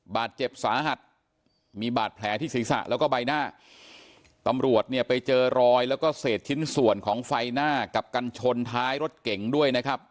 บาดเจ็บสาหัสมีบาดแผลที่ศีรษะแล้วก็ใบหน้าตำรวจเนี่ยไปเจอรอยแล้วก็เศษชิ้นส่วนของไฟหน้ากับกันชนท้ายรถเก่งด้วยนะครับ